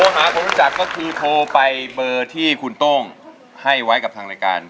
หาคนรู้จักก็คือโทรไปเบอร์ที่คุณโต้งให้ไว้กับทางรายการ